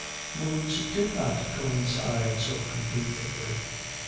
Moods did not coincide so conveniently.